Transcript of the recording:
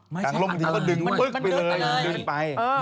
ไม่ใช่นะอะไรเลยดึกไปเลย